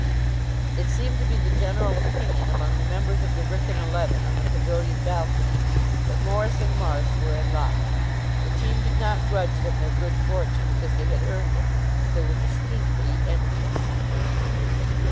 It seemed to be the general opinion among the members of the Wrykyn eleven on the pavilion balcony that Morris and Marsh were in luck. The team did not grudge them their good fortune, because they had earned it; but they were distinctly envious.